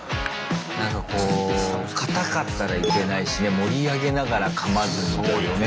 なんかこうかたかったらいけないしね盛り上げながらかまずにというね。